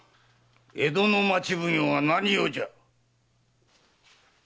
江戸の町奉行が何用じゃ？